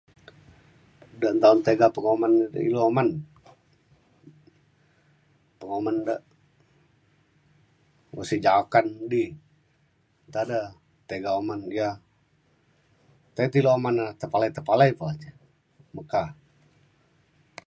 da' nta un tega penguman da ilu uman penguman da' ukok sik jakan di nta da tiga uman ya tai tilu uman e tepalai tepalai pe ja. meka.